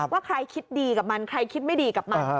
ว่าใครคิดดีกับมันใครคิดไม่ดีกับมัน